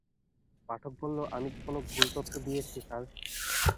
পাঠক বলল, আমি কি কোনো ভুল তথ্য দিয়েছি স্যার?